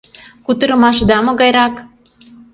Кутырымашда могайрак?